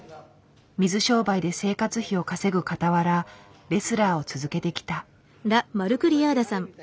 水商売で生活費を稼ぐかたわらレスラーを続けてきた。